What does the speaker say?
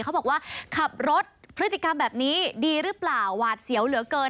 เขาบอกว่าขับรถพฤติกรรมแบบนี้ดีหรือเปล่าหวาดเสียวเหลือเกิน